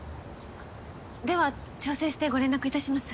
あっでは調整してご連絡いたします。